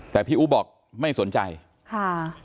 แต่พี่อู๋บอกไม่สนใจค่ะ